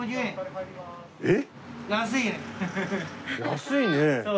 安いね！